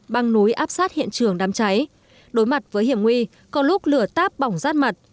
băng núi áp sát hiện trường đám cháy đối mặt với hiểm nguy có lúc lửa táp bỏng rát mặt